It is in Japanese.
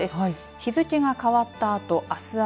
日付が変わったあと、あす朝。